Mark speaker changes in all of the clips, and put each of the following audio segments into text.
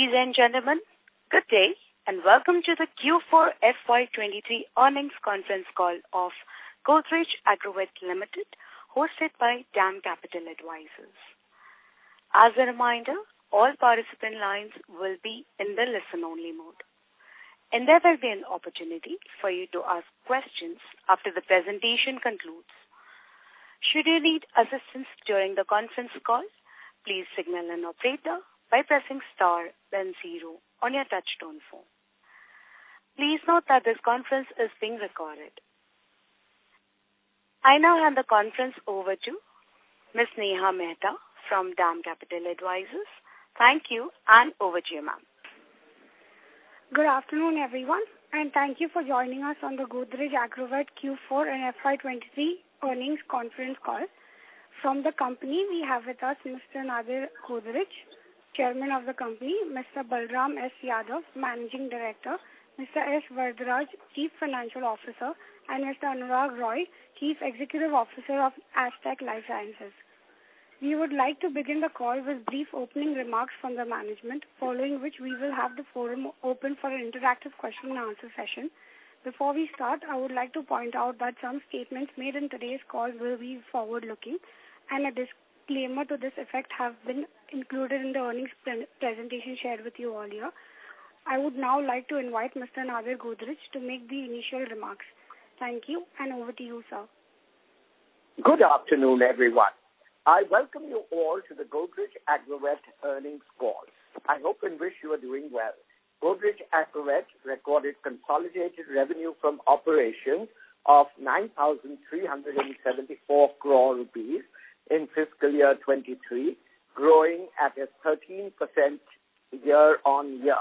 Speaker 1: Ladies and gentlemen, good day and welcome to the Q4 FY23 earnings conference call of Godrej Agrovet Limited, hosted by DAM Capital Advisors. As a reminder, all participant lines will be in the listen-only mode, and there will be an opportunity for you to ask questions after the presentation concludes. Should you need assistance during the conference call, please signal an operator by pressing star then zero on your touchtone phone. Please note that this conference is being recorded. I now hand the conference over to Ms. Neha Mehta from DAM Capital Advisors. Thank you, and over to you, ma'am.
Speaker 2: Good afternoon, everyone, and thank you for joining us on the Godrej Agrovet Q4 and FY23 earnings conference call. From the company we have with us Mr. Nadir Godrej, Chairman of the company, Mr. Balram S. Yadav, Managing Director, Mr. S. Varadaraj, Chief Financial Officer, and Mr. Anurag Roy, Chief Executive Officer of Astec LifeSciences. We would like to begin the call with brief opening remarks from the management, following which we will have the forum open for an interactive question and answer session. Before we start, I would like to point out that some statements made in today's call will be forward-looking, and a disclaimer to this effect have been included in the earnings pre-presentation shared with you earlier. I would now like to invite Mr. Nadir Godrej to make the initial remarks. Thank you, and over to you, sir.
Speaker 3: Good afternoon, everyone. I welcome you all to the Godrej Agrovet earnings call. I hope and wish you are doing well. Godrej Agrovet recorded consolidated revenue from operations of 9,374 crore rupees in FY23, growing at a 13% year-on-year.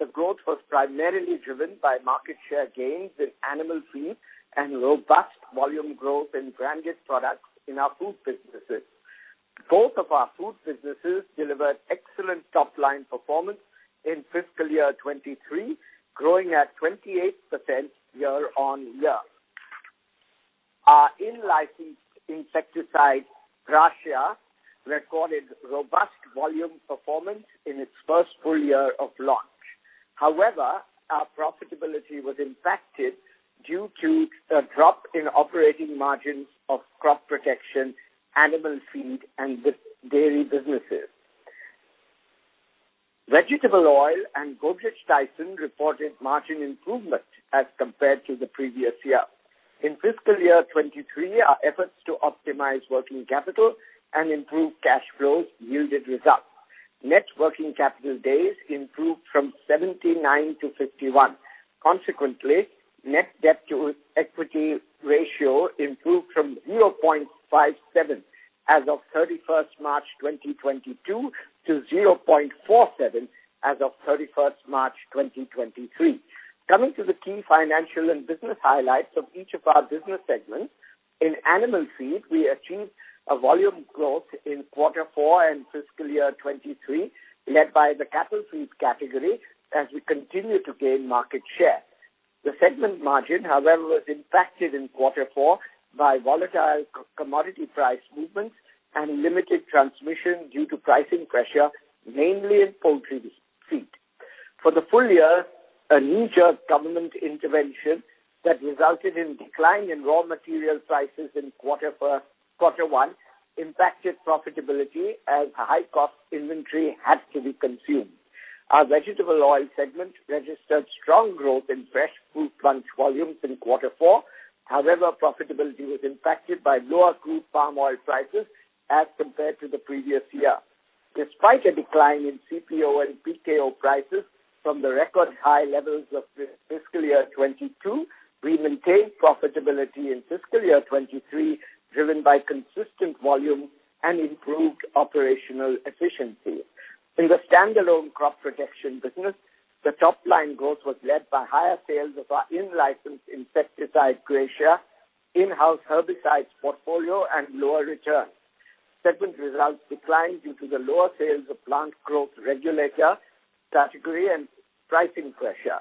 Speaker 3: The growth was primarily driven by market share gains in animal feed and robust volume growth in branded products in our food businesses. Both of our food businesses delivered excellent top-line performance in FY23, growing at 28% year-on-year. Our in-licensed insecticide, Gracia, recorded robust volume performance in its first full year of launch. Our profitability was impacted due to a drop in operating margins of crop protection, animal feed and the dairy businesses. Vegetable oil and Godrej Tyson reported margin improvement as compared to the previous year. In FY23, our efforts to optimize working capital and improve cash flows yielded results. Net working capital days improved from 79 to 51. Consequently, net debt to equity ratio improved from 0.57 as of 31st March 2022 to 0.47 as of 31st March 2023. Coming to the key financial and business highlights of each of our business segments. In animal feed, we achieved a volume growth in quarter four and FY23, led by the cattle feed category as we continue to gain market share. The segment margin, however, was impacted in quarter four by volatile co-commodity price movements and limited transmission due to pricing pressure, mainly in poultry feed. For the full year, a major government intervention that resulted in decline in raw material prices in quarter one impacted profitability as high-cost inventory had to be consumed. Our vegetable oil segment registered strong growth in fresh fruit bunch volumes in quarter four. Profitability was impacted by lower crude palm oil prices as compared to the previous year. Despite a decline in CPO and PKO prices from the record high levels of fiscal year 2022, we maintained profitability in fiscal year 2023, driven by consistent volume and improved operational efficiency. In the standalone crop protection business, the top-line growth was led by higher sales of our in-licensed insecticide, Gracia, in-house herbicides portfolio and lower returns. Segment results declined due to the lower sales of plant growth regulator category and pricing pressure.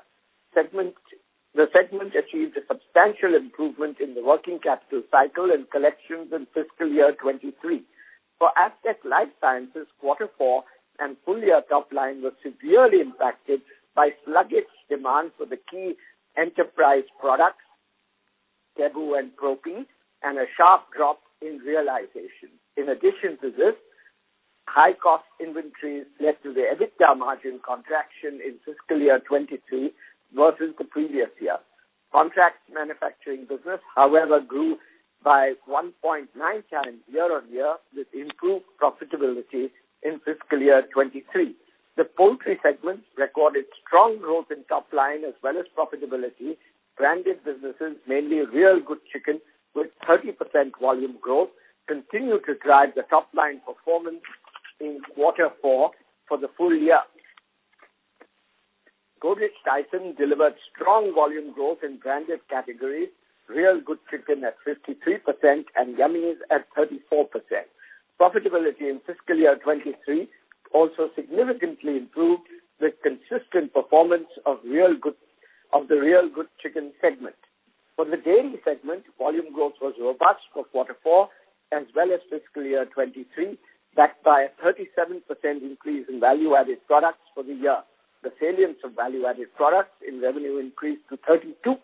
Speaker 3: The segment achieved a substantial improvement in the working capital cycle and collections in FY23. For Astec LifeSciences, quarter four and full-year top line were severely impacted by sluggish demand for the key enterprise products, Tebu and Propi, and a sharp drop in realization. In addition to this, high-cost inventories led to the EBITDA margin contraction in FY22 versus the previous year. Contract manufacturing business, however, grew by 1.9 times year-on-year with improved profitability in FY23. The poultry segment recorded strong growth in top line as well as profitability. Branded businesses, mainly Real Good Chicken, with 30% volume growth, continued to drive the top-line performance in quarter four for the full year. Godrej Tyson delivered strong volume growth in branded categories, Real Good Chicken at 53% and Yummiez at 34%. Profitability in FY23 also significantly improved with consistent performance of the Real Good Chicken segment. For the dairy segment, volume growth was robust for quarter four as well as FY23, backed by a 37% increase in value-added products for the year. The salience of value-added products in revenue increased to 32%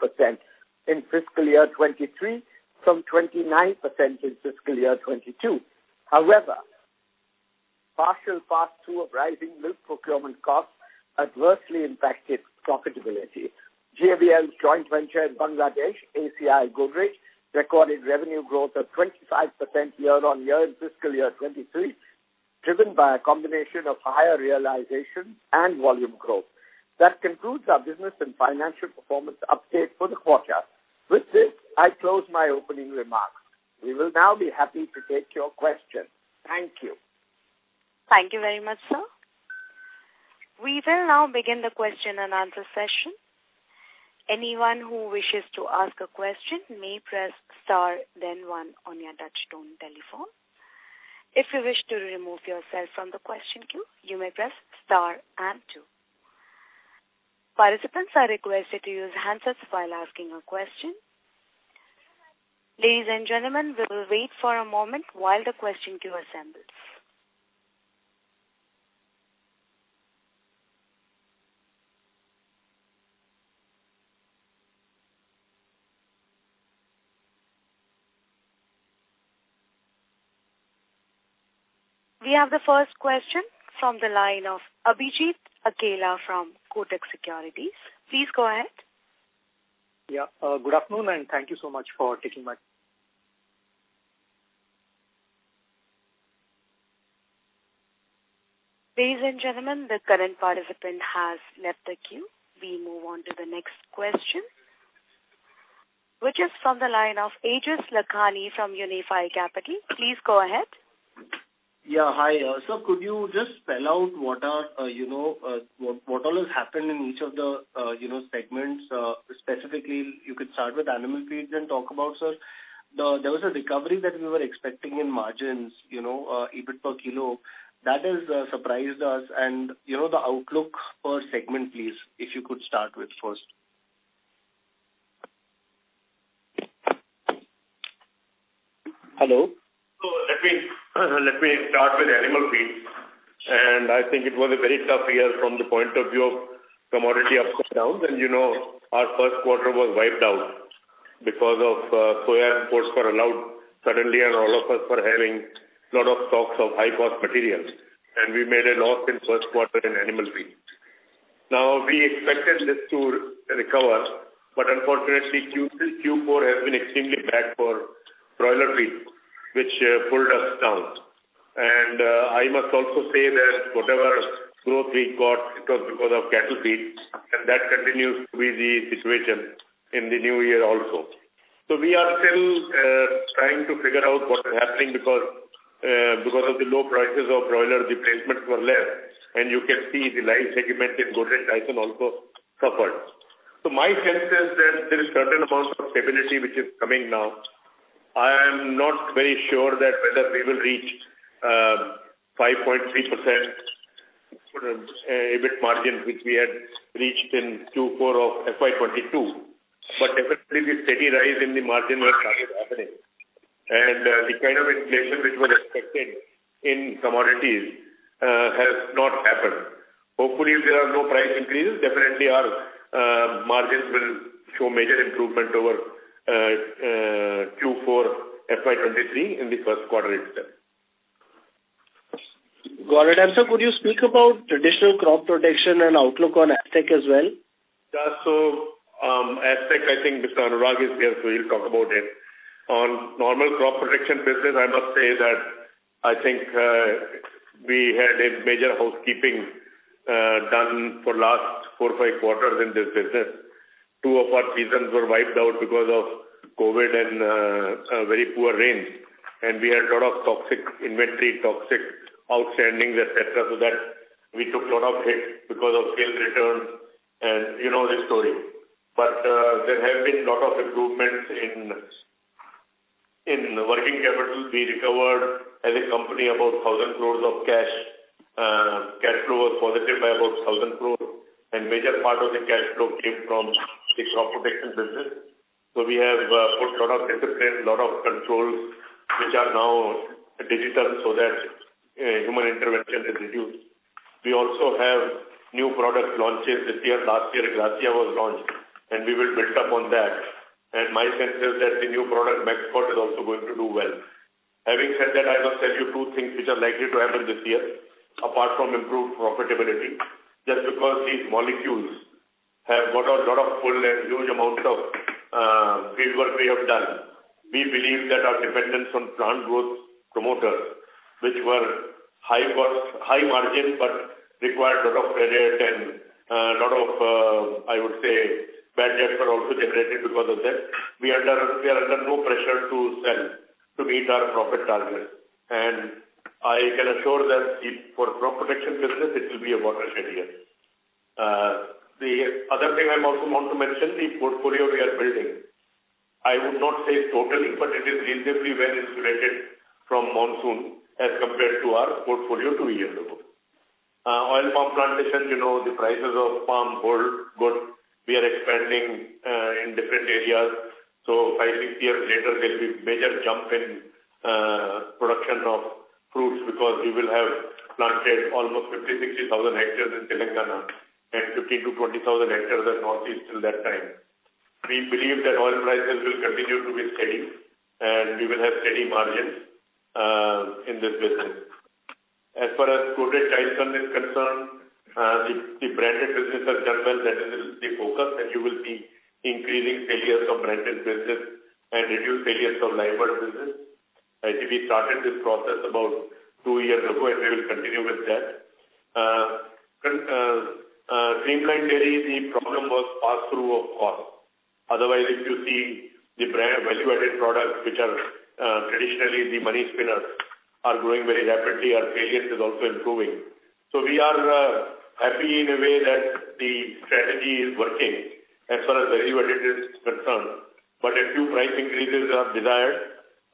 Speaker 3: in FY23 from 29% in FY22. However, partial pass-through of rising milk procurement costs adversely impacted profitability. GAVL's joint venture in Bangladesh, ACI Godrej Agrovet, recorded revenue growth of 25% year-on-year in FY23, driven by a combination of higher realization and volume growth. That concludes our business and financial performance update for the quarter. With this, I close my opening remarks. We will now be happy to take your questions. Thank you.
Speaker 1: Thank you very much, sir. We will now begin the question-and-answer session. Anyone who wishes to ask a question may press star then one on your touchtone telephone. If you wish to remove yourself from the question queue, you may press star and two. Participants are requested to use handsets while asking a question. Ladies and gentlemen, we will wait for a moment while the question queue assembles. We have the first question from the line of Abhijit Akella from Kotak Securities. Please go ahead.
Speaker 4: Yeah. Good afternoon, and thank you so much for taking my-.
Speaker 1: Ladies and gentlemen, the current participant has left the queue. We move on to the next question, which is from the line of Aejaz Lakhani from Unifi Capital. Please go ahead.
Speaker 5: Yeah. Hi. Sir, could you just spell out what are, you know, what all has happened in each of the, you know, segments? Specifically you could start with animal feeds and talk about, sir. There was a recovery that we were expecting in margins, you know, EBIT per kilo. That has surprised us and, you know, the outlook per segment, please, if you could start with first.
Speaker 6: Hello. Let me start with animal feed. I think it was a very tough year from the point of view of commodity ups and downs. You know, our first quarter was wiped out because of soya imports were allowed suddenly and all of us were having lot of stocks of high cost materials. We made a loss in first quarter in animal feed. We expected this to recover, but unfortunately Q4 has been extremely bad for broiler feed, which pulled us down. I must also say that whatever growth we got, it was because of cattle feed, and that continues to be the situation in the new year also. We are still trying to figure out what is happening because of the low prices of broiler, the placements were less. You can see the live segment in Godrej Tyson also suffered. My sense is that there is certain amount of stability which is coming now. I am not very sure that whether we will reach 5.3% EBIT margin, which we had reached in Q4 FY22. Definitely the steady rise in the margin has started happening. The kind of inflation which was expected in commodities has not happened. Hopefully, if there are no price increases, definitely our margins will show major improvement over Q4 FY23 in the first quarter itself.
Speaker 5: Got it. Sir, could you speak about traditional crop protection and outlook on Astec as well?
Speaker 6: Yeah. Astec, I think Mr. Anurag is here, he'll talk about it. On normal crop protection business, I must say that I think we had a major housekeeping done for last four or five quarters in this business. Two of our seasons were wiped out because of COVID and a very poor rain. We had lot of toxic inventory, toxic outstandings, et cetera, so that we took lot of hits because of sale returns and you know the story. There have been lot of improvements in working capital. We recovered as a company about 1,000 crores of cash. Cash flow was positive by about 1,000 crores. Major part of the cash flow came from the crop protection business. We have put lot of discipline, lot of controls, which are now digital so that human intervention is reduced. We also have new product launches this year. Last year, Gracia was launched, and we will build up on that. My sense is that the new product, Maxpot, is also going to do well. Having said that, I must tell you two things which are likely to happen this year, apart from improved profitability. Just because these molecules have got a lot of pull and huge amount of field work we have done, we believe that our dependence on plant growth promoters, which were high cost, high margin, but required lot of credit and lot of, I would say bad debts were also generated because of that. We are under no pressure to sell to meet our profit targets. I can assure that if for crop protection business this will be a watershed year. The other thing I also want to mention, the portfolio we are building. I would not say totally, but it is reasonably well insulated from monsoon as compared to our portfolio two years ago. Oil palm plantation, you know, the prices of palm oil good. We are expanding in different areas. Five, six years later there'll be major jump in production of fruits because we will have planted almost 50,000-60,000 hectares in Telangana and 15,000-20,000 hectares at Northeast till that time. We believe that oil prices will continue to be steady, and we will have steady margins in this business. As far as is concerned, the branded business has done well. That is the focus. You will see increasing sales of branded business and reduced sales of labor business. I think we started this process about two years ago, and we will continue with that. Creamline Dairy, the problem was pass through of cost. Otherwise, if you see the brand value-added products, which are traditionally the money spinners are growing very rapidly. Our sales is also improving. We are happy in a way that the strategy is working as far as value-added is concerned, but a few price increases are desired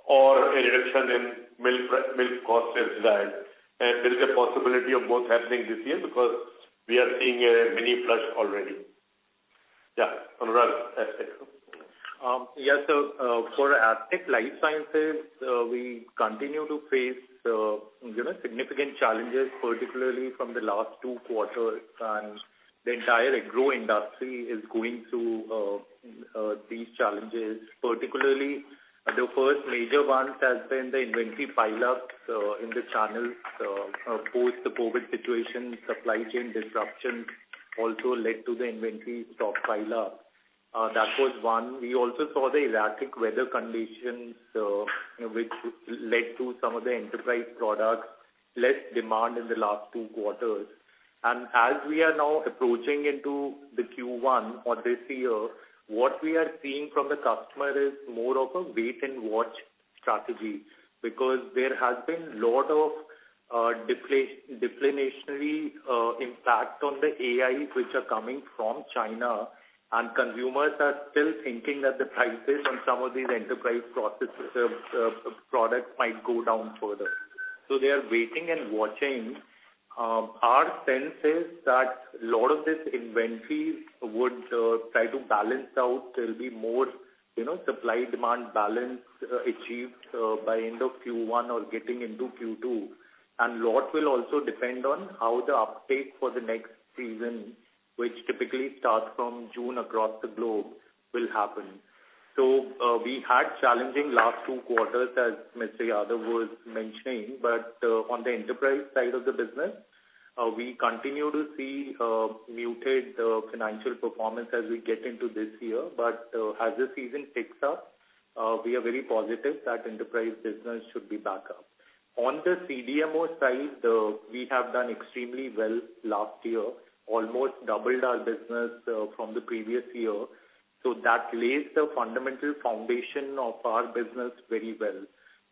Speaker 6: or a reduction in milk re-milk cost is desired. There is a possibility of both happening this year because we are seeing a mini flush already. Yeah Anurag step in..
Speaker 7: Yes, for Astec LifeSciences, we continue to face, you know, significant challenges, particularly from the last two quarters. The entire agro industry is going through these challenges, particularly the first major ones has been the inventory pile up in the channels. Post the COVID situation, supply chain disruptions also led to the inventory stock pile up. That was one. We also saw the erratic weather conditions, which led to some of the enterprise products less demand in the last two quarters. As we are now approaching into the Q1 of this year, what we are seeing from the customer is more of a wait-and-watch strategy because there has been lot of declinationary impact on the AIs which are coming from China. Consumers are still thinking that the prices on some of these enterprise processes, products might go down further. They are waiting and watching. Our sense is that a lot of this inventory would try to balance out. There'll be more, you know, supply demand balance achieved by end of Q1 or getting into Q2. Lot will also depend on how the uptake for the next season, which typically starts from June across the globe, will happen. We had challenging last two quarters, as Mr. Yadav was mentioning. On the enterprise side of the business, we continue to see muted financial performance as we get into this year. As the season picks up, we are very positive that enterprise business should be back up. On the CDMO side, we have done extremely well last year, almost doubled our business from the previous year. That lays the fundamental foundation of our business very well.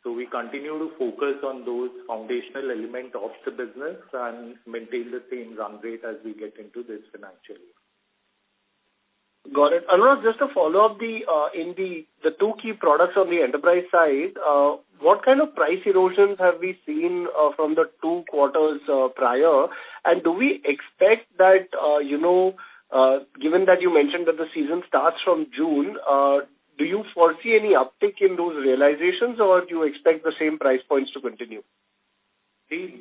Speaker 7: We continue to focus on those foundational element of the business and maintain the same run rate as we get into this financial year.
Speaker 5: Got it. Anurag, just a follow-up in the two key products on the enterprise side, what kind of price erosions have we seen from the two quarters prior? Do we expect that, you know, given that you mentioned that the season starts from June, do you foresee any uptick in those realizations, or do you expect the same price points to continue?
Speaker 6: The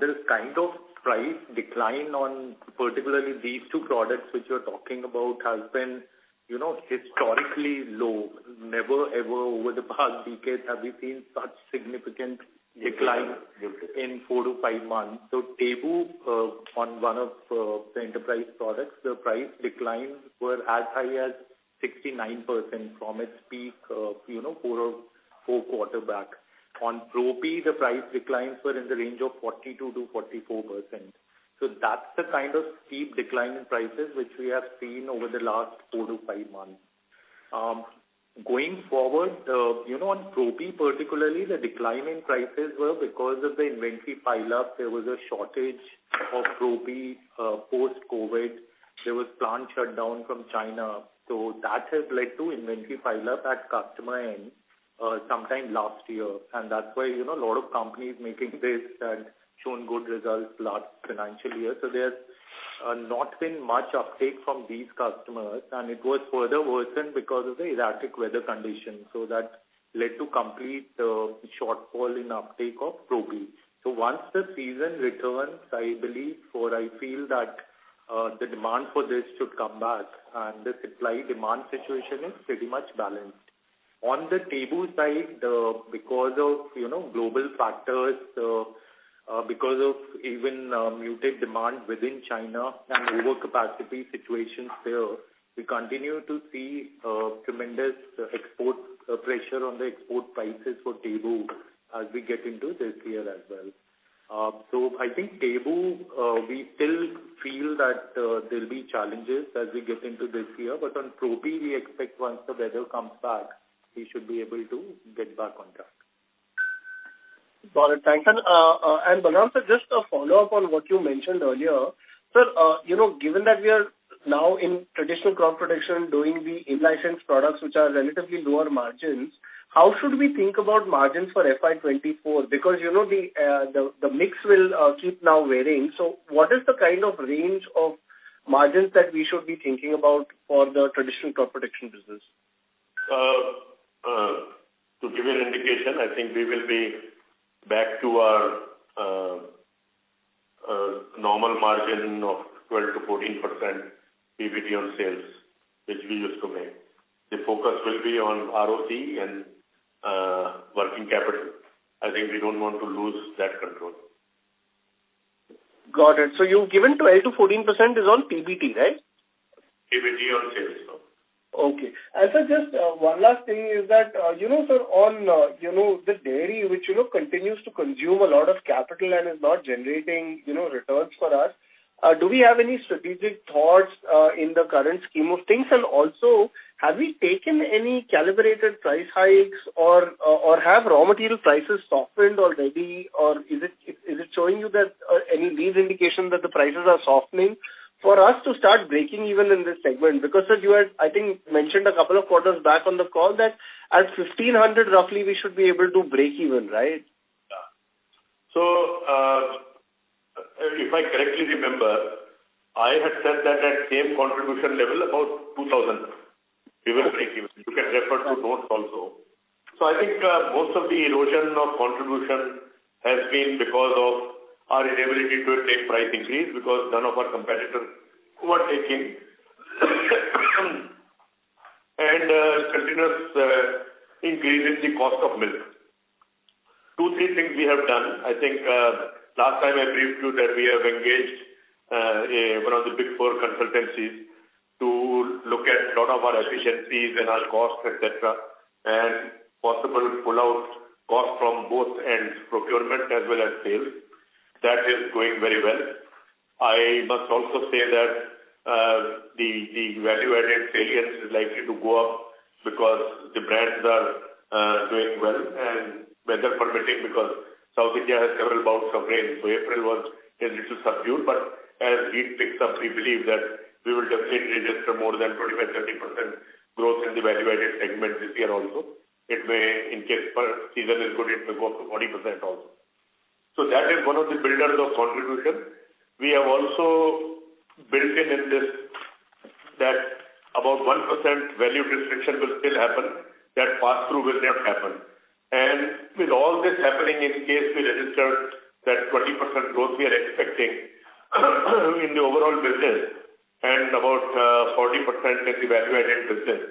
Speaker 6: this kind of price decline on particularly these two products which you're talking about has been, you know, historically low. Never, ever over the past decades have we seen such significant decline-. Yes.
Speaker 7: in four to five months. Tebu, on one of, the enterprise products, the price declines were as high as 69% from its peak of, you know, four quarter back. On Propi, the price declines were in the range of 42%-44%. That's the kind of steep decline in prices which we have seen over the last four to five months. Going forward, you know, on Propi particularly the decline in prices were because of the inventory pile up. There was a shortage of Propi, post-COVID. There was plant shutdown from China. That has led to inventory pile up at customer end, sometime last year. That's why, you know, a lot of companies making this and shown good results last financial year. There's not been much uptake from these customers, and it was further worsened because of the erratic weather conditions. That led to complete shortfall in uptake of Propi. Once the season returns, I believe or I feel that the demand for this should come back and the supply demand situation is pretty much balanced. On the Tebu side, because of, you know, global factors, because of even muted demand within China and overcapacity situations there, we continue to see tremendous export pressure on the export prices for Tebu as we get into this year as well. I think Tebu, we still feel that there'll be challenges as we get into this year. On Propi, we expect once the weather comes back, we should be able to get back on track.
Speaker 5: Got it. Thanks. Balram, sir, just a follow-up on what you mentioned earlier. Sir, you know, given that we are now in traditional crop protection doing the in-license products, which are relatively lower margins, how should we think about margins for FY24? Because, you know, the mix will keep now varying. What is the kind of range of margins that we should be thinking about for the traditional crop protection business?
Speaker 6: To give you an indication, I think we will be back to our normal margin of 12%-14% PBT on sales, which we used to make. The focus will be on ROC and working capital. I think we don't want to lose that control.
Speaker 5: Got it. You've given 12%-14% is on PBT, right?
Speaker 6: PBT on sales, no.
Speaker 5: Okay. Sir, just one last thing is that, you know, sir, on, you know, the dairy, which, you know, continues to consume a lot of capital and is not generating, you know, returns for us, do we have any strategic thoughts in the current scheme of things? Also, have we taken any calibrated price hikes or have raw material prices softened already? Or is it showing you that any leads indication that the prices are softening for us to start breaking even in this segment? Sir, you had, I think, mentioned a couple of quarters back on the call that at 1,500 roughly we should be able to break even, right?
Speaker 6: If I correctly remember, I had said that at same contribution level, about 2,000 we will break even. You can refer to notes also. I think most of the erosion of contribution has been because of our inability to take price increase, because none of our competitors were taking. Continuous increase in the cost of milk. Two, three things we have one. I think last time I briefed you that we have engaged one of the Big Four consultancies to look at a lot of our efficiencies and our costs, etc. Possible pull out cost from both ends, procurement as well as sales. That is going very well. I must also say that the value-added sales is likely to go up because the brands are doing well and weather permitting, because South India has several bouts of rain. April was a little subdued, but as heat picks up, we believe that we will definitely register more than 25-30% growth in the value-added segment this year also. It may, in case per season is good, it may go up to 40% also. That is one of the builders of contribution. We have also built in this that about 1% value restriction will still happen. That pass-through will not happen. With all this happening, in case we register that 20% growth we are expecting in the overall business and about 40% in the value-added business,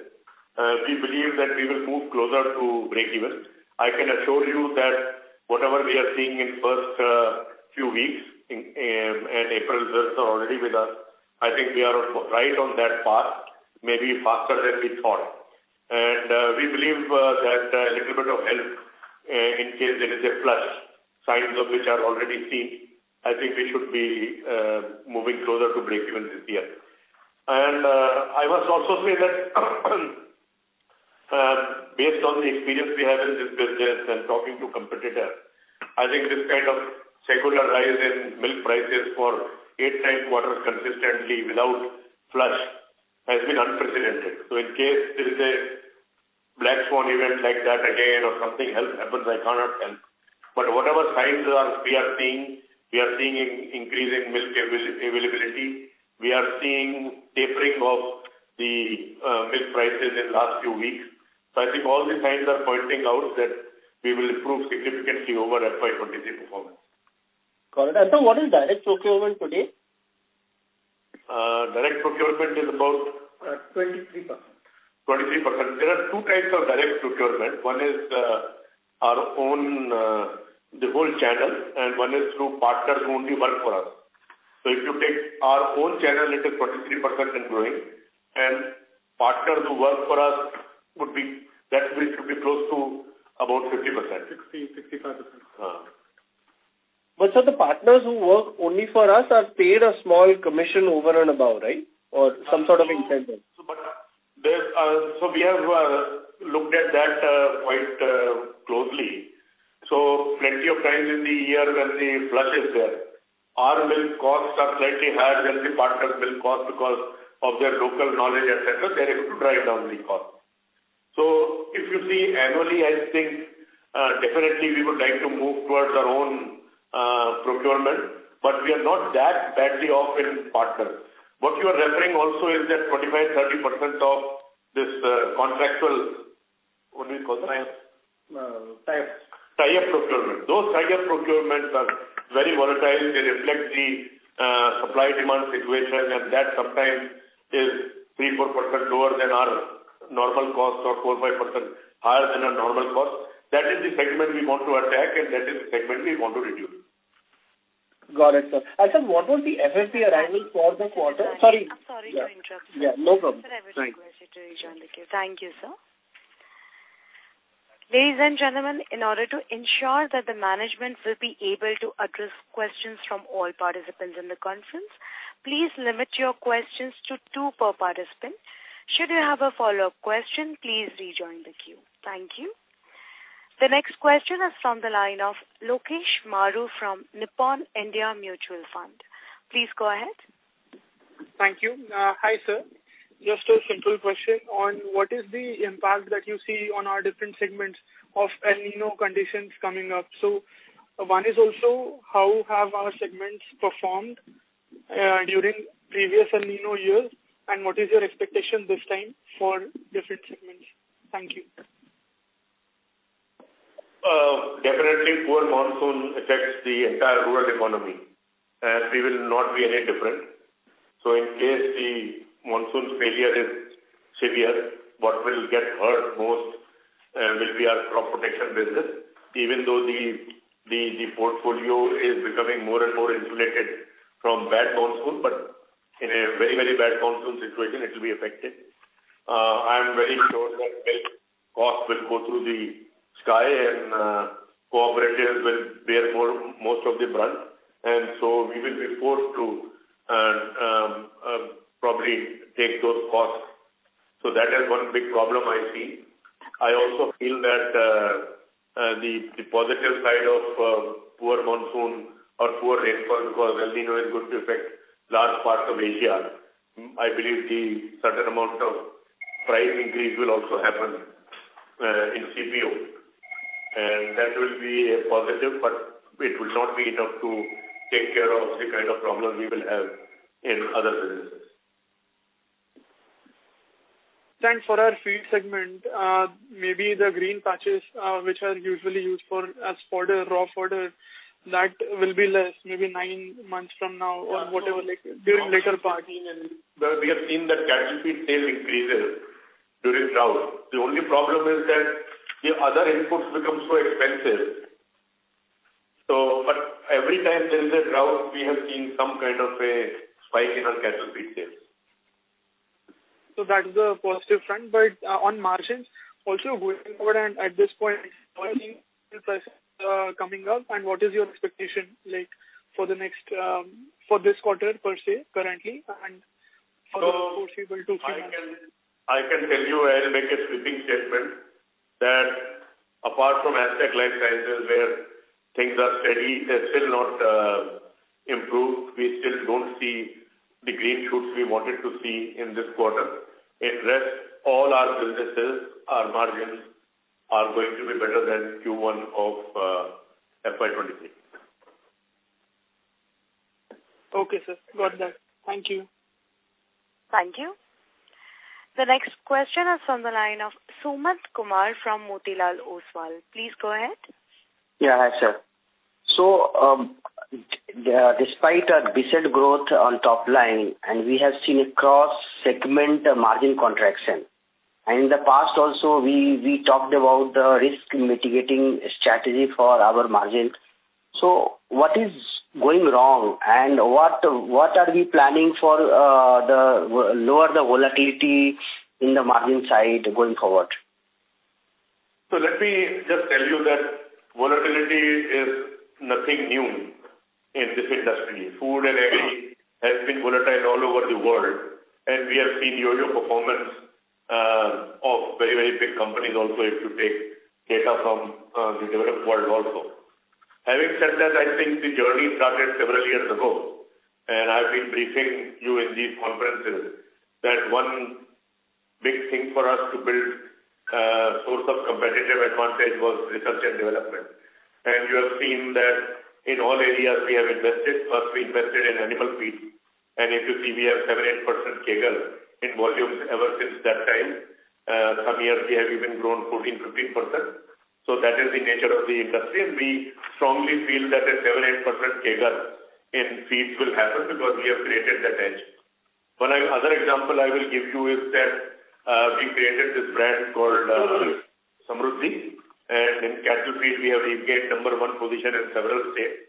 Speaker 6: we believe that we will move closer to break even. I can assure you that whatever we are seeing in first few weeks in April itself already with us, I think we are right on that path, maybe faster than we thought. We believe that a little bit of help, in case there is a flush, signs of which are already seen, I think we should be moving closer to break-even this year. I must also say that based on the experience we have in this business and talking to competitor, I think this kind of secular rise in milk prices for eight, nine quarters consistently without flush has been unprecedented. In case there is a black swan event like that again or something else happens, I cannot tell. Whatever signs are we are seeing, we are seeing in increase in milk availability. We are seeing tapering of the milk prices in last few weeks. I think all the signs are pointing out that we will improve significantly over FY23 performance.
Speaker 5: Got it. Sir, what is direct procurement today?
Speaker 6: direct procurement is about-
Speaker 5: 23%.
Speaker 6: 23%. There are two types of direct procurement. One is, our own, the whole channel, and one is through partners who only work for us. If you take our own channel, it is 23% and growing. Partners who work for us would be, that should be close to about 50%.
Speaker 5: 60, 65%.
Speaker 6: Uh.
Speaker 5: Sir, the partners who work only for us are paid a small commission over and above, right? Some sort of incentive.
Speaker 6: But there's, so we have looked at that quite closely. Plenty of times in the year when the flush is there, our milk costs are slightly higher than the partner's milk cost because of their local knowledge, etc. They're able to drive down the cost. If you see annually, I think, definitely we would like to move towards our own procurement, but we are not that badly off in partners. What you are referring also is that 25%, 30% of this contractual, what do you call that?
Speaker 5: Tie up.
Speaker 6: Tie up procurement. Those tie up procurements are very volatile. They reflect the supply demand situation. That sometimes is 3%-4% lower than our normal cost or 4%-5% higher than our normal cost. That is the segment we want to attack and that is the segment we want to reduce.
Speaker 5: Got it, sir. Sir, what was the FSR annual for this quarter? Sorry.
Speaker 1: I'm sorry to interrupt, sir.
Speaker 5: Yeah, no problem.
Speaker 2: Sir, I would request you to rejoin the queue. Thank you, sir. Ladies and gentlemen, in order to ensure that the management will be able to address questions from all participants in the conference, please limit your questions to two per participant. Should you have a follow-up question, please rejoin the queue. Thank you. The next question is from the line of Lokesh Maru from Nippon India Mutual Fund. Please go ahead.
Speaker 8: Thank you. Hi, sir. Just a central question on what is the impact that you see on our different segments of El Niño conditions coming up. one is also how have our segments performed during previous El Niño years, and what is your expectation this time for different segments? Thank you.
Speaker 6: Definitely poor monsoon affects the entire rural economy, and we will not be any different. In case the monsoon failure is severe, what will get hurt most will be our crop protection business. Even though the portfolio is becoming more and more insulated from bad monsoon, but in a very, very bad monsoon situation it will be affected. I am very sure that cost will go through the sky and cooperatives will bear most of the brunt. We will be forced to probably take those costs. That is one big problem I see. I also feel that the positive side of poor monsoon or poor rainfall because El Niño is going to affect large parts of Asia. I believe the certain amount of price increase will also happen in CPO. That will be a positive, but it will not be enough to take care of the kind of problems we will have in other businesses.
Speaker 8: For our feed segment, maybe the green patches, which are usually used for as fodder, raw fodder, that will be less maybe nine months from now or whatever, like during later part.
Speaker 6: We have seen that cattle feed sale increases during drought. The only problem is that the other inputs become so expensive. Every time there is a drought, we have seen some kind of a spike in our cattle feed sales.
Speaker 8: That is a positive front. On margins also going forward and at this point coming up, and what is your expectation like for the next, for this quarter per se currently and for the foreseeable too?
Speaker 6: I can tell you, I'll make a sweeping statement that apart from asset light sites where things are steady, they're still not improved. We still don't see the green shoots we wanted to see in this quarter. In rest, all our businesses, our margins are going to be better than Q1 of FY23.
Speaker 8: Okay, sir. Got that. Thank you.
Speaker 1: Thank you. The next question is from the line of Sumant Kumar from Motilal Oswal. Please go ahead.
Speaker 9: Yeah. Hi, sir. Despite a decent growth on top line, we have seen a cross-segment margin contraction. In the past also we talked about the risk mitigating strategy for our margins. What is going wrong and what are we planning for lower the volatility in the margin side going forward?
Speaker 6: Let me just tell you that volatility is nothing new in this industry. Food and AG has been volatile all over the world, and we have seen year over performance of very, very big companies also if you take data from the developed world also. Having said that, I think the journey started several years ago, and I've been briefing you in these conferences that one big thing for us to build a source of competitive advantage was research and development. You have seen that in all areas we have invested. First we invested in animal feed, and if you see we have 7%, 8% CAGR in volumes ever since that time. Some years we have even grown 14%-15%. That is the nature of the industry, and we strongly feel that a 7-8% CAGR in feeds will happen because we have created that edge. One other example I will give you is that we created this brand called Samruddhi, and in cattle feed we have regained number 1 position in several states.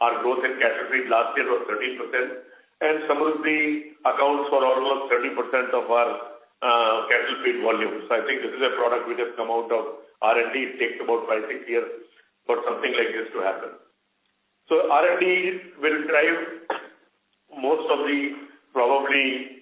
Speaker 6: Our growth in cattle feed last year was 13%, and Samruddhi accounts for almost 30% of our cattle feed volumes. I think this is a product which has come out of R&D. It takes about 5-6 years for something like this to happen. R&D will drive most of the probably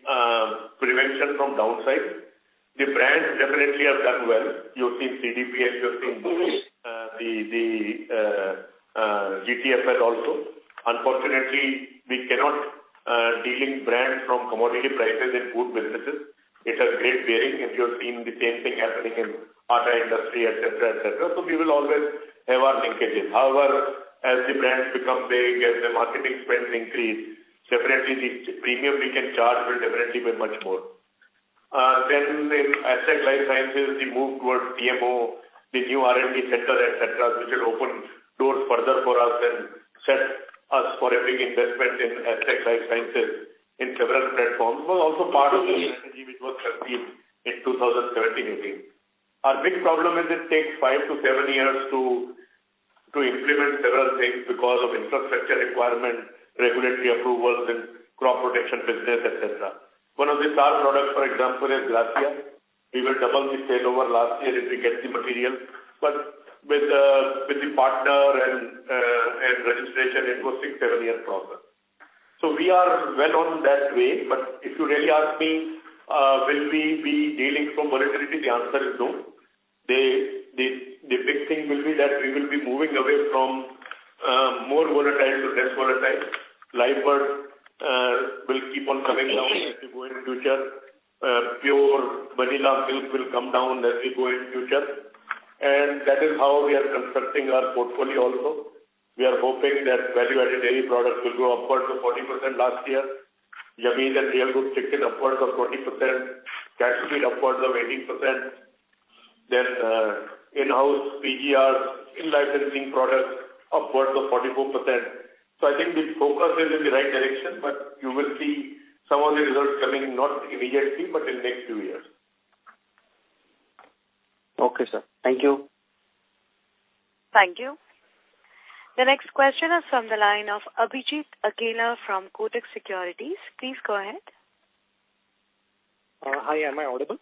Speaker 6: prevention from downside. The brands definitely have done well. You've seen CDPL, you've seen GTFL also. Unfortunately, we cannot de-link brand from commodity prices in food businesses. It has great bearing. You have seen the same thing happening in other industry, et cetera, et cetera. We will always have our linkages. As the brands become big, as the marketing spends increase, definitely the premium we can charge will definitely be much more. In Astec LifeSciences, we move towards PMO, the new R&D center, et cetera, which will open doors further for us and set us for every investment in Astec LifeSciences in several platforms. It was also part of the strategy which was conceived in 2017, 2018. Our big problem is it takes 5-7 years to implement several things because of infrastructure requirements, regulatory approvals in crop protection business, et cetera. One of the star products, for example, is Glacia. We will double the sale over last year if we get the material. With the partner and registration, it was six, seven-year process. We are well on that way. If you really ask me, will we be dealing from volatility, the answer is no. The big thing will be that we will be moving away from more volatile to less volatile. Lifebuoy will keep on coming down as we go in future. Pure vanilla silk will come down as we go in future. That is how we are constructing our portfolio also. We are hoping that value-added dairy products will grow upwards of 40% last year. Yameen and Dale cook chicken upwards of 40%. Cattle feed upwards of 18%. In-house PGRs, in-licensing products upwards of 44%. I think the focus is in the right direction, but you will see some of the results coming, not immediately, but in next few years.
Speaker 9: Okay, sir. Thank you.
Speaker 1: Thank you. The next question is from the line of Abhijit Akella from Kotak Securities. Please go ahead.
Speaker 4: Hi. Am I audible?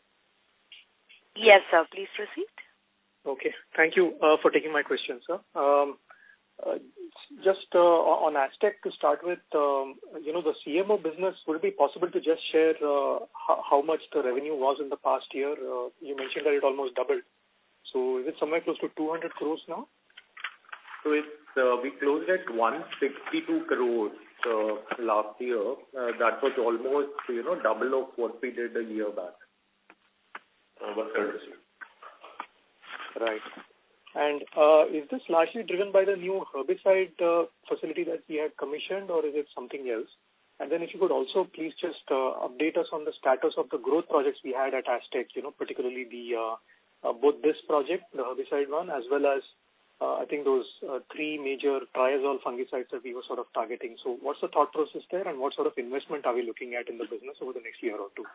Speaker 1: Yes, sir. Please proceed.
Speaker 4: Okay. Thank you, for taking my question, sir. Just on Astec to start with, you know, the CMO business, would it be possible to just share how much the revenue was in the past year? You mentioned that it almost doubled. Is it somewhere close to 200 crores now?
Speaker 6: We closed at 162 crores last year. That was almost, you know, double of what we did a year back.
Speaker 4: Right. Is this largely driven by the new herbicide facility that we had commissioned, or is it something else? If you could also please just update us on the status of the growth projects we had at Astec, you know, particularly the both this project, the herbicide one, as well as, I think those three major triazole fungicides that we were sort of targeting. What's the thought process there, and what sort of investment are we looking at in the business over the next year or two?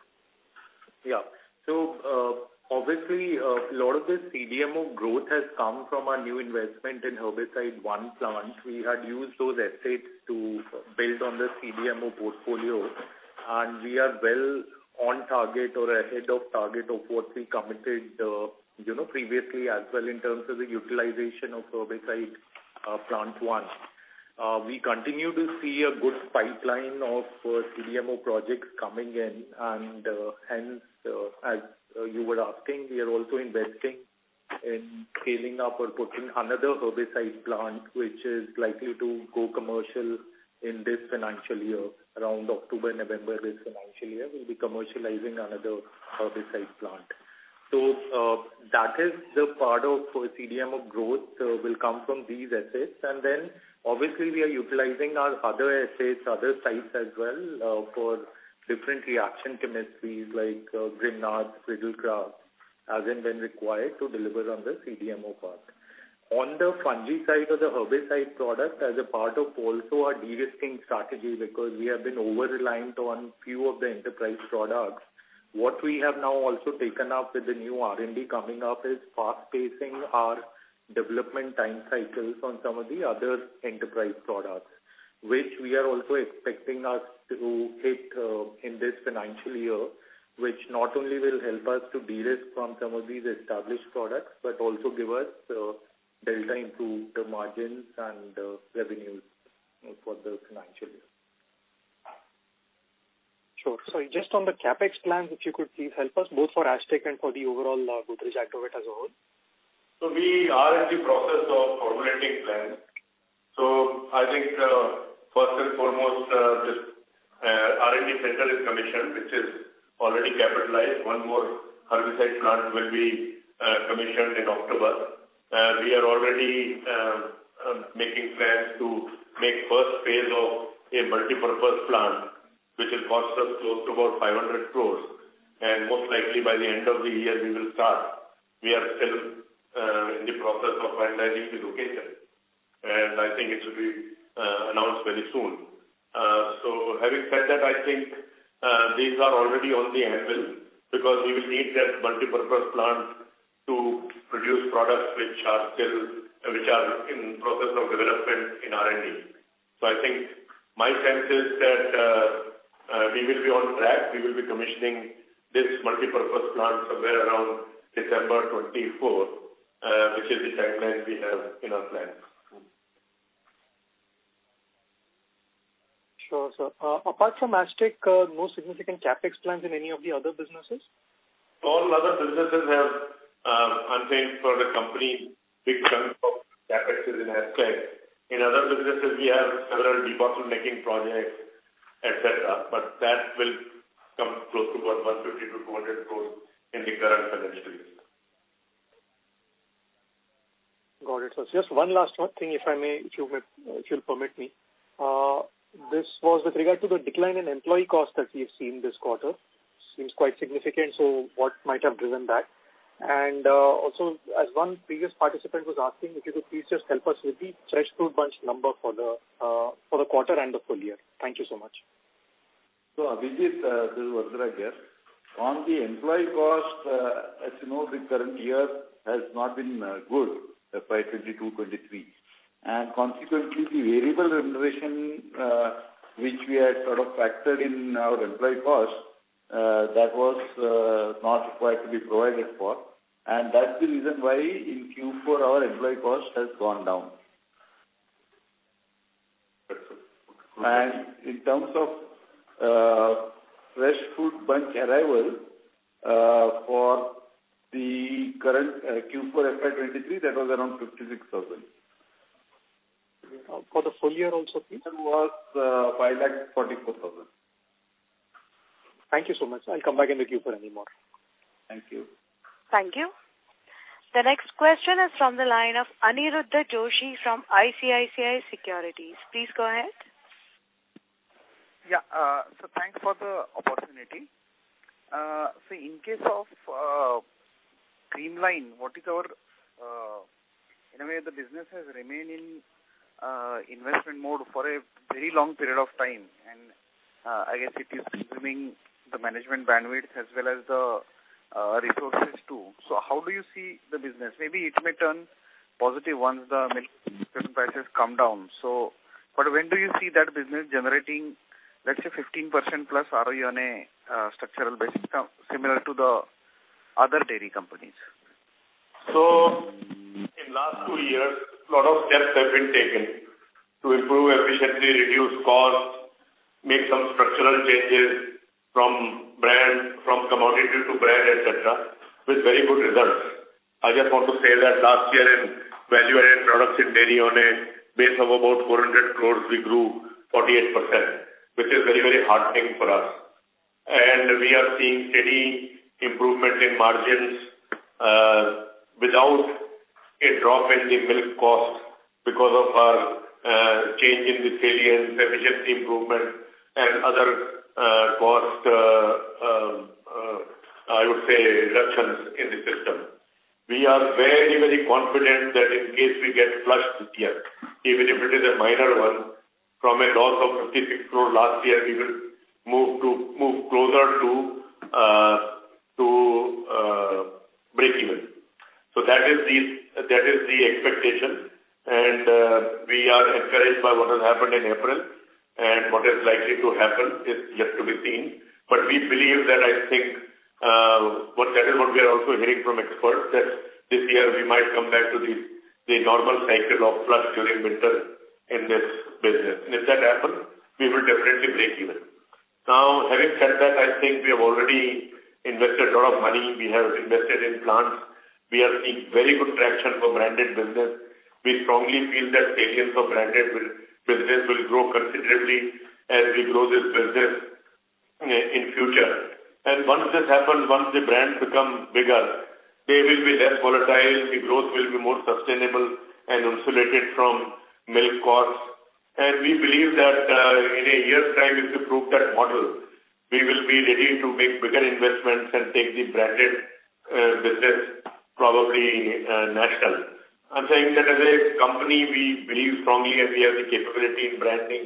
Speaker 6: Yeah. Obviously, a lot of the CDMO growth has come from our new investment in herbicide 1 plant. We had used those assets to build on the CDMO portfolio, we are well on target or ahead of target of what we committed, you know, previously as well in terms of the utilization of herbicide plant 1. We continue to see a good pipeline of CDMO projects coming in, as you were asking, we are also investing in scaling up or putting another herbicide plant, which is likely to go commercial in this financial year, around October, November this financial year, we'll be commercializing another herbicide plant. That is the part of CDMO growth will come from these assets. Obviously we are utilizing our other assets, other sites as well, for different reaction chemistries like Grignard, Friedel–Crafts, as and when required to deliver on the CDMO part. On the fungi side of the herbicide product, as a part of also our de-risking strategy, because we have been over-reliant on few of the enterprise products, what we have now also taken up with the new R&D coming up is fast-pacing our development time cycles on some of the other enterprise products, which we are also expecting us to hit in this financial year, which not only will help us to de-risk from some of these established products, but also give us delta improve the margins and revenues for the financial year.
Speaker 4: Sure. Just on the CapEx plans, if you could please help us both for Astec and for the overall Godrej Agrovet as a whole.
Speaker 6: We are in the process of formulating plans. I think, first and foremost, this R&D center is commissioned, which is already capitalized. One more herbicide plant will be commissioned in October. We are already making plans to make first phase of a multipurpose plant, which will cost us close to about 500 crores. Most likely by the end of the year, we will start. We are still in the process of finalizing the location, and I think it will be announced very soon. Having said that, I think, these are already on the anvil because we will need that multipurpose plant to produce products which are in process of development in R&D. I think my sense is that, we will be on track. We will be commissioning this multipurpose plant somewhere around December 2024, which is the timeline we have in our plan.
Speaker 4: Sure, sir. apart from Astec, no significant CapEx plans in any of the other businesses?
Speaker 6: All other businesses have, I'm saying for the company, big chunk of CapEx is in Astec. In other businesses we have several debottlenecking projects, et cetera. That will come close to about INR 150-200 crores in the current financial year.
Speaker 4: Got it. Just one last thing, if I may, if you would, if you'll permit me. This was with regard to the decline in employee cost that we've seen this quarter. Seems quite significant. What might have driven that? Also as one previous participant was asking, if you could please just help us with the fresh fruit bunch number for the quarter and the full year. Thank you so much.
Speaker 3: Abhijit, this is Varadaraj here. On the employee cost, as you know, the current year has not been good, FY23. Consequently, the variable remuneration, which we had sort of factored in our employee cost, that was not required to be provided for. That's the reason why in Q4 our employee cost has gone down.
Speaker 4: Perfect.
Speaker 6: In terms of fresh fruit bunch arrival for the current Q4 FY23, that was around 56,000.
Speaker 4: For the full year also, please.
Speaker 6: It was 5,44,000.
Speaker 4: Thank you so much. I'll come back in the queue for any more.
Speaker 6: Thank you.
Speaker 1: Thank you. The next question is from the line of Aniruddha Joshi from ICICI Securities. Please go ahead.
Speaker 10: Yeah. Thanks for the opportunity. In case of Creamline, what is our, in a way the business has remained in investment mode for a very long period of time, and, I guess it is consuming the management bandwidth as well as the resources too. How do you see the business? Maybe it may turn positive once the milk prices come down. But when do you see that business generating, let's say, 15% plus ROE on a structural basis similar to the other dairy companies?
Speaker 6: In last two years, a lot of steps have been taken to improve efficiency, reduce costs, make some structural changes from brand, from commodity to brand, et cetera, with very good results. I just want to say that last year in value-added production dairy on a base of about 400 crore, we grew 48%, which is very, very heartening for us. We are seeing steady improvement in margins, without a drop in the milk cost because of our change in the salient efficiency improvement and other cost, I would say reductions in the system. We are very, very confident that in case we get flush this year, even if it is a minor one, from a loss of INR 50 crore last year, we will move closer to breakeven. That is the expectation, and we are encouraged by what has happened in April. What is likely to happen is yet to be seen. We believe that I think, what that is what we are also hearing from experts, that this year we might come back to the normal cycle of flush during winter in this business. If that happens, we will definitely breakeven. Having said that, I think we have already invested a lot of money. We have invested in plants. We are seeing very good traction for branded business. We strongly feel that salience of branded business will grow considerably as we grow this business in future. Once this happens, once the brands become bigger, they will be less volatile, the growth will be more sustainable and insulated from milk costs. We believe that, in a year's time, if we prove that model, we will be ready to make bigger investments and take the branded business probably national. I'm saying that as a company, we believe strongly and we have the capability in branding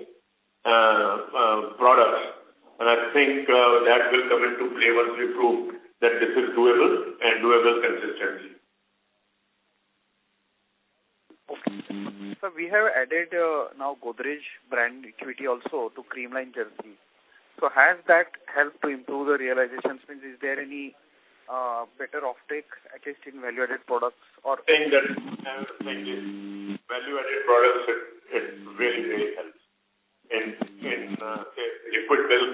Speaker 6: products. I think, that will come into play once we prove that this is doable and doable consistently.
Speaker 10: We have added, now Godrej brand equity also to Creamline Jersey. Has that helped to improve the realization? Since is there any better offtake, at least in value-added products or...
Speaker 6: I think that value-added products, it really helps. In say, liquid milk,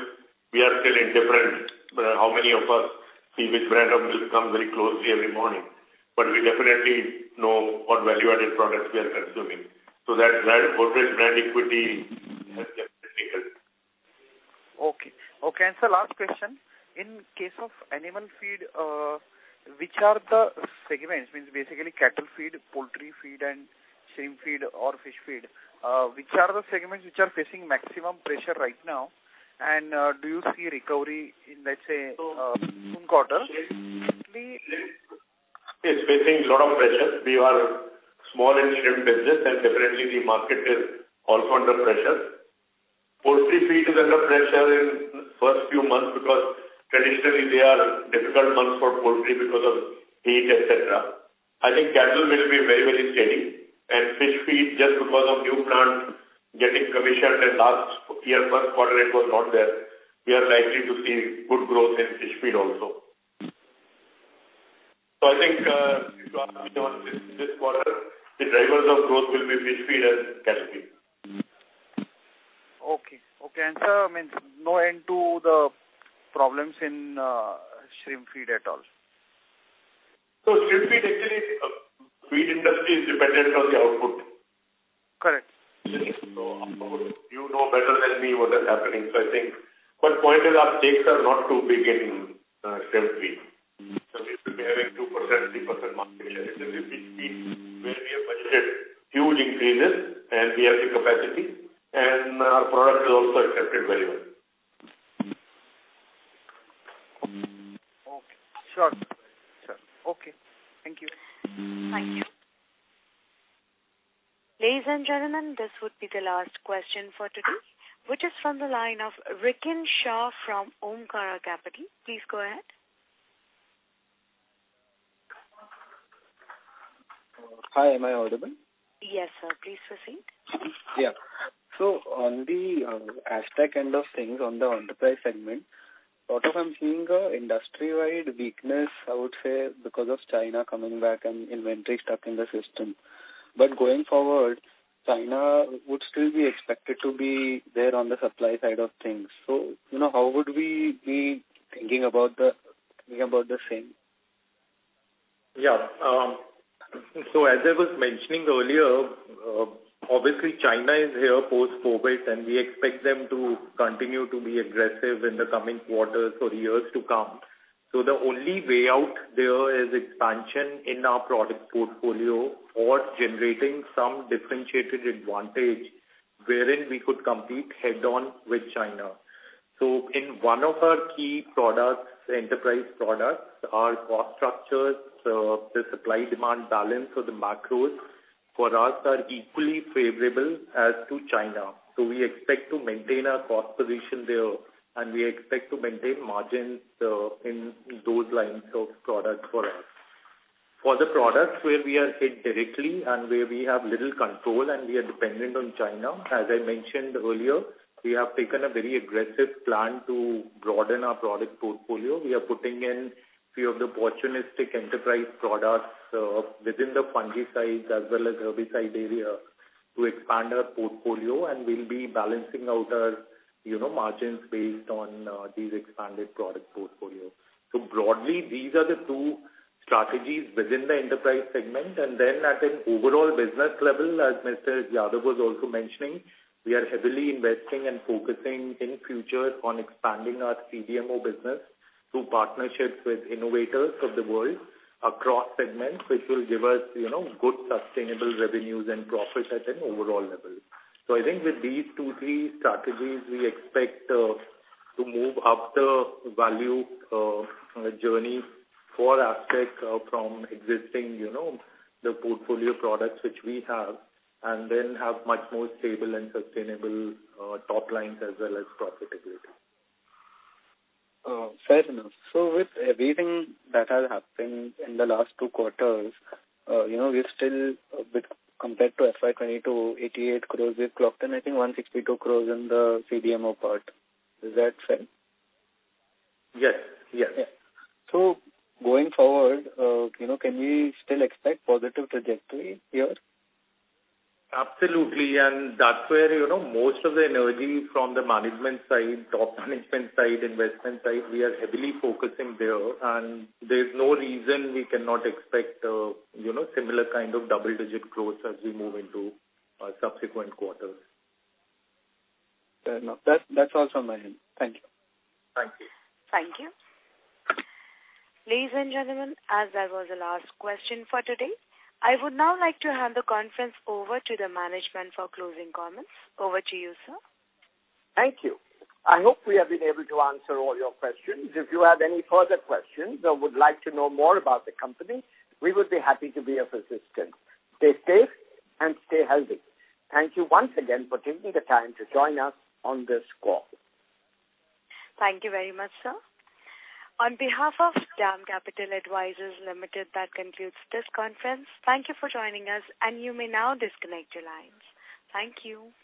Speaker 6: we are still indifferent. How many of us see which brand of milk comes very closely every morning. We definitely know what value-added products we are consuming. That Godrej brand equity has definitely helped.
Speaker 10: Okay. Okay. Sir, last question. In case of animal feed, which are the segments, means basically cattle feed, poultry feed and shrimp feed or fish feed, which are the segments which are facing maximum pressure right now? Do you see recovery in, let's say, soon quarter?
Speaker 6: Shrimp feed is facing a lot of pressure. We are small in shrimp business and definitely the market is also under pressure. Poultry feed is under pressure in first few months because traditionally they are difficult months for poultry because of heat, et cetera. I think cattle will be very, very steady. Fish feed, just because of new plant getting commissioned and last year first quarter it was not there, we are likely to see good growth in fish feed also. I think, if you ask me on this quarter, the drivers of growth will be fish feed and cattle feed.
Speaker 10: Okay. Okay. Sir, means no end to the problems in shrimp feed at all?
Speaker 6: shrimp feed actually, feed industry is dependent on the output.
Speaker 10: Correct.
Speaker 6: You know better than me what is happening. I think what point is our stakes are not too big in shrimp feed. We could be having 2%, 3% market share. It will be fish feed where we have budgeted huge increases and we have the capacity and our product is also accepted very well.
Speaker 10: Okay, sure. Sure. Okay. Thank you.
Speaker 1: Thank you. Ladies and gentlemen, this would be the last question for today, which is from the line of Rikin Shah from Omkara Capital. Please go ahead.
Speaker 11: Hi, am I audible?
Speaker 1: Yes, sir. Please proceed.
Speaker 11: Yeah. On the Astec end of things on the enterprise segment, what I'm seeing, industry-wide weakness, I would say because of China coming back and inventory stuck in the system. Going forward, China would still be expected to be there on the supply side of things. You know, how would we be thinking about the same?
Speaker 7: As I was mentioning earlier, obviously China is here post-COVID, and we expect them to continue to be aggressive in the coming quarters for years to come. The only way out there is expansion in our product portfolio or generating some differentiated advantage wherein we could compete head-on with China. In one of our key products, enterprise products, our cost structures, the supply-demand balance or the macros for us are equally favorable as to China. We expect to maintain our cost position there, and we expect to maintain margins in those lines of products for us. For the products where we are hit directly and where we have little control and we are dependent on China, as I mentioned earlier, we have taken a very aggressive plan to broaden our product portfolio. We are putting in few of the opportunistic enterprise products within the fungicides as well as herbicide area to expand our portfolio, and we'll be balancing out our, you know, margins based on these expanded product portfolio. Broadly, these are the two strategies within the enterprise segment. At an overall business level, as Mr. Yadav was also mentioning, we are heavily investing and focusing in future on expanding our CDMO business through partnerships with innovators of the world across segments, which will give us, you know, good sustainable revenues and profits at an overall level. I think with these two, three strategies, we expect to move up the value journey for Astec from existing, you know, the portfolio products which we have, and then have much more stable and sustainable top lines as well as profitability.
Speaker 11: Fair enough. With everything that has happened in the last two quarters, you know, we're still a bit compared to FY22, 88 crores. We've clocked in, I think 162 crores in the CDMO part. Is that fair?
Speaker 7: Yes. Yes.
Speaker 11: Going forward, you know, can we still expect positive trajectory here?
Speaker 7: Absolutely. That's where, you know, most of the energy from the management side, top management side, investment side, we are heavily focusing there and there's no reason we cannot expect, you know, similar kind of double-digit growth as we move into subsequent quarters.
Speaker 11: Fair enough. That's all from my end. Thank you.
Speaker 7: Thank you.
Speaker 1: Thank you. Ladies and gentlemen, as that was the last question for today, I would now like to hand the conference over to the management for closing comments. Over to you, sir.
Speaker 3: Thank you. I hope we have been able to answer all your questions. If you have any further questions or would like to know more about the company, we would be happy to be of assistance. Stay safe and stay healthy. Thank you once again for taking the time to join us on this call.
Speaker 2: Thank you very much, sir. On behalf of DAM Capital Advisors Limited, that concludes this conference. Thank you for joining us, and you may now disconnect your lines. Thank you.